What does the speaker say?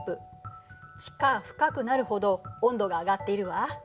地下深くなるほど温度が上がっているわ。